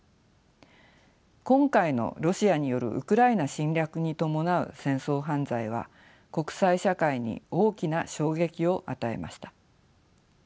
今回のロシアによるウクライナ侵略に伴う戦争犯罪は国際社会に大きな衝撃を与えました。